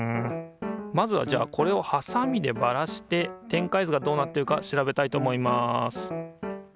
まずはじゃあこれをハサミでバラして展開図がどうなってるか調べたいと思います。